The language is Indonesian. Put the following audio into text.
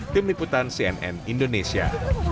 tim liputan cnn indonesia